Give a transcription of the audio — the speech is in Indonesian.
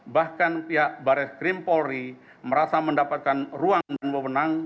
bahkan pihak baris krim polri merasa mendapatkan ruang dan wewenang